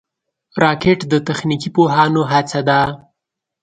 راکټ د تخنیکي پوهانو هڅه ده